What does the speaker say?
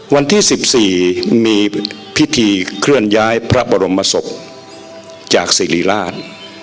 วันที่๑๔มีพิธีเคลื่อนย้ายพระบรมศพจากสิริราช